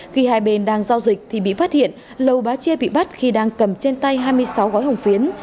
khi hai bên đang giao dịch thì bị phát hiện lầu bá chia bị bắt khi đang cầm trên tay hai mươi sáu gói hồng phiến